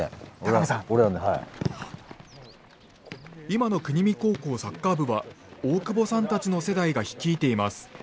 今の国見高校サッカー部は大久保さんたちの世代が率いています。